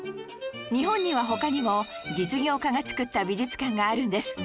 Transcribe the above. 日本には他にも実業家が作った美術館があるんです